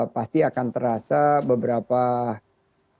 pasti akan terasa beberapa bulan dan waktu ke depan